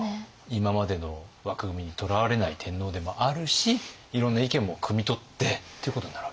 今までの枠組みにとらわれない天皇でもあるしいろんな意見もくみ取ってということになるわけですね。